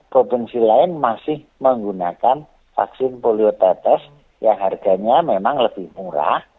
provinsi lain masih menggunakan vaksin poliotetes yang harganya memang lebih murah